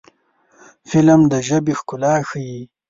فلم د ژبې ښکلا ښيي